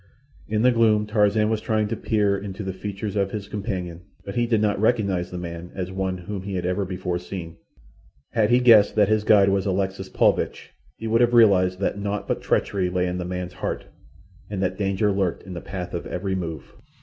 In the gloom Tarzan was trying to peer into the features of his companion, but he did not recognize the man as one whom he had ever before seen. Had he guessed that his guide was Alexis Paulvitch he would have realized that naught but treachery lay in the man's heart, and that danger lurked in the path of every move.